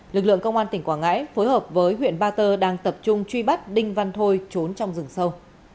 lực lượng công an tp vũng tàu phối hợp với huyện ba tơ đang tập trung truy bắt đinh văn thôi trốn trong rừng sâu